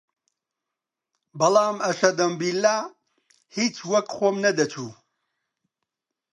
بەڵام ئەشەدەمبیللا هیچ وەک خۆم نەدەچوو